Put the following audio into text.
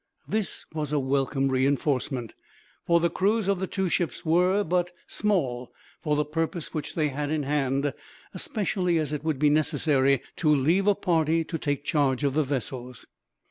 This was a welcome reinforcement, for the crews of the two ships were but small for the purpose which they had in hand, especially as it would be necessary to leave a party to take charge of the vessels.